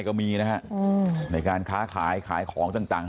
ก็มีนะฮะในการค้าขายขายของต่าง